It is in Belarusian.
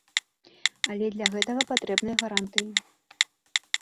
Але для гэтага патрэбныя гарантыі.